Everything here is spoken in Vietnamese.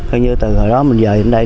hình như từ hồi đó mình về đến đây